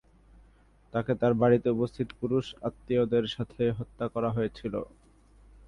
তাকে তার বাড়িতে উপস্থিত পুরুষ আত্মীয়দের সাথে হত্যা করা হয়েছিল।